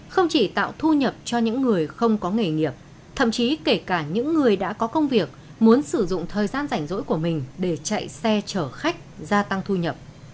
không chỉ tạo thu nhập cho những người không có nghề nghiệp thậm chí kể cả những người đã có công việc muốn sử dụng thời gian rảnh rỗi của mình để chạy xe chở khách gia tăng thu nhập